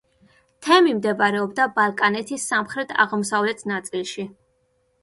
თემი მდებარეობდა ბალკანეთის სამხრეთ-აღმოსავლეთ ნაწილში.